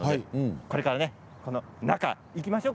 これから中に行きましょう。